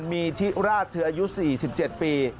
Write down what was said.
มีทิราชเธออายุ๔๗ปี